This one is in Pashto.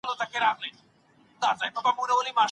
لیدلوری مو باید روښانه او ارام وي.